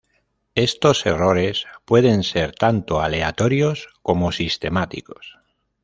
Estos errores pueden ser tanto aleatorios como sistemáticos.